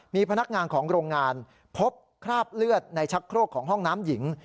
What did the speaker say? มีพนักงานของโรงงานพบคราบเลือดในชักโครกของห้องน้ำหญิง